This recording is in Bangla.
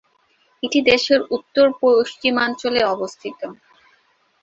এটি দেশের উত্তর পশ্চিমাঞ্চলে অবস্থিত।